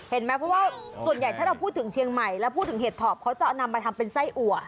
เห็นไหมเพราะว่าส่วนใหญ่ถ้าเราพูดถึงเชียงใหม่แล้วพูดถึงเห็ดถอบเขาจะนำมาทำเป็นไส้อัว